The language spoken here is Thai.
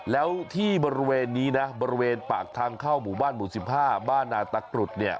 แล้วที่บริเวณนี้นะบริเวณปากทางเข้าหมู่บ้านหมู่๑๕บ้านนาตะกรุดเนี่ย